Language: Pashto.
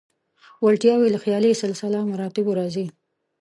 وړتیاوې له خیالي سلسله مراتبو راځي.